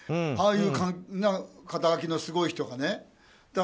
ああいう肩書のすごい人がね。